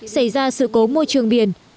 xảy ra sự cố môi trường biển